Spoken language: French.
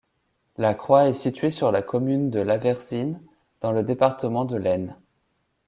La croix est située sur la commune de Laversine, dans le département de l'Aisne.